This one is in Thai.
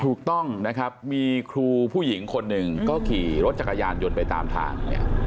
ถูกต้องนะครับมีครูผู้หญิงคนหนึ่งก็ขี่รถจักรยานยนต์ไปตามทางเนี่ย